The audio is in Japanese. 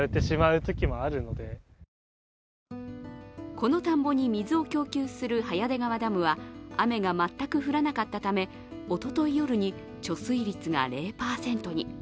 この田んぼに水を供給する早出川ダムは雨が全く降らなかったため、おととい夜に貯水率が０％に。